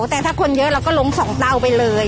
แต่ถ้าคนเยอะเราก็ลง๒เตาไปเลย